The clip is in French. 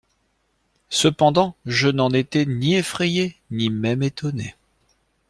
Cependant, je n'en étais ni effrayé ni même étonné.